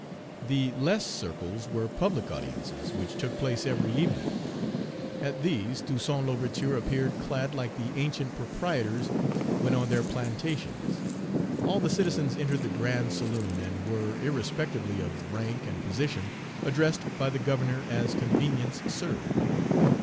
The less circles were public audiences, Page 131 which took place every evening. At these, Toussaint L'Ouverture appeared clad like the ancient proprietors when on their plantations. All the citizens entered the grand saloon, and were, irrespectively of rank and position, addressed by the Governor as convenience served.